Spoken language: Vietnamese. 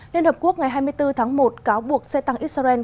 liên hợp quốc ngày hai mươi bốn tháng một cáo buộc xe tăng israel